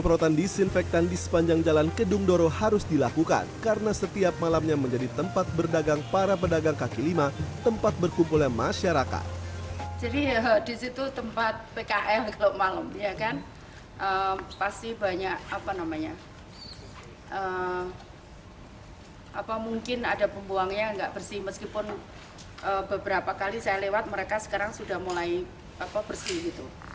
pasti banyak apa namanya mungkin ada pembuangnya yang tidak bersih meskipun beberapa kali saya lewat mereka sekarang sudah mulai bersih gitu